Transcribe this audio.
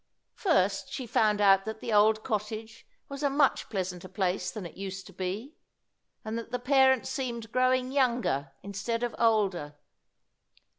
First she found out that the old cottage was a much pleasanter place than it used to be, and that the parents seemed growing younger instead of older.